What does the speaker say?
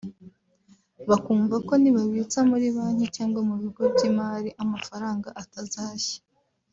bakumva ko nibabitsa muri banki cyangwa mu bigo by’imari amafaranga atazashya